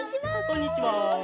こんにちは！